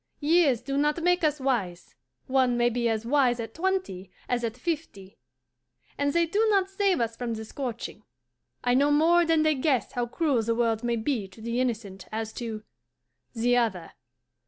Years do not make us wise; one may be as wise at twenty as at fifty. And they do not save us from the scorching. I know more than they guess how cruel the world may be to the innocent as to the other.